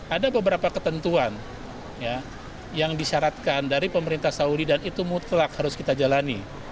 ada beberapa ketentuan yang disyaratkan dari pemerintah saudi dan itu mutlak harus kita jalani